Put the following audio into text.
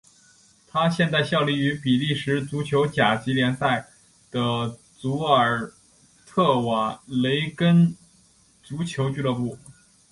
他现在效力于比利时足球甲级联赛的祖尔特瓦雷根足球俱乐部。